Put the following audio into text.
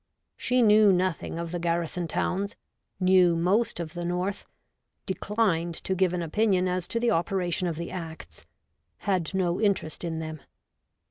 ' She knew nothing of the garrison towns : knew most of the north : declined to give an opinion as to the operation of the Acts : had no interest in them.